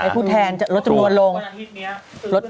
ตัวอย่างไรคุณพูดแทนน้องน้องจะลดจำนวนลง